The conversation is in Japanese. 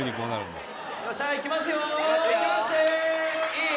「いい？」